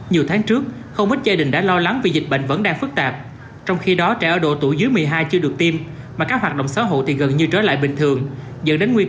nhiều tháng trước không ít gia đình đã lo lắng vì dịch bệnh vẫn đang phức tạp trong khi đó trẻ ở độ tuổi dưới một mươi hai chưa được tiêm mà các hoạt động xã hội thì gần như trở lại bình thường dẫn đến nguy cơ